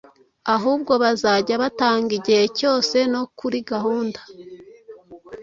ahubwo bazajya batanga igihe cyose no kuri gahunda.